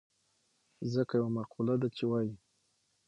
ځکه يوه مقوله ده چې وايي.